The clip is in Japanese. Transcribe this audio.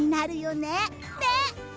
ねっ。